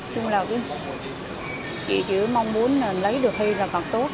chúng là chỉ mong muốn lấy được hay là còn tốt